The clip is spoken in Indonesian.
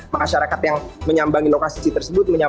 masyarakat yang menyambangi lokasi tersebut